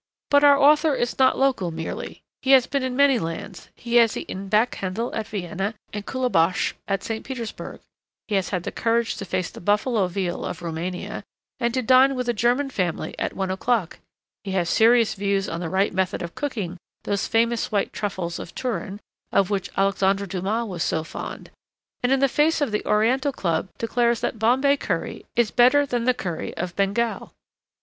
But our author is not local merely. He has been in many lands; he has eaten back hendl at Vienna and kulibatsch at St. Petersburg; he has had the courage to face the buffalo veal of Roumania and to dine with a German family at one o'clock; he has serious views on the right method of cooking those famous white truffles of Turin of which Alexandre Dumas was so fond; and, in the face of the Oriental Club, declares that Bombay curry is better than the curry of Bengal.